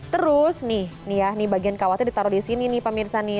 terus nih nih ya nih bagian kawatnya ditaruh disini nih pemirsa nih